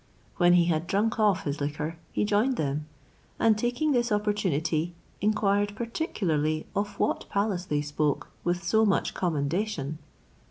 When he had drunk off his liquor, he joined them, and taking this opportunity, inquired particularly of what palace they spoke with so much commendation.